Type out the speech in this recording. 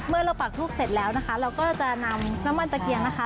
เมื่อเราปักทูบเสร็จแล้วนะคะเราก็จะนำน้ำมันตะเกียงนะคะ